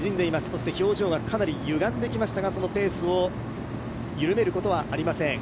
そして表情がかなりゆがんできましたが、そのペースを緩めることはありません。